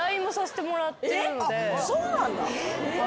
あっそうなんだ。